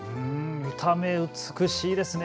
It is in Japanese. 見た目、美しいですね。